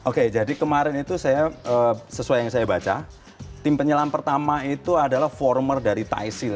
oke jadi kemarin itu saya sesuai yang saya baca tim penyelam pertama itu adalah former dari thaisel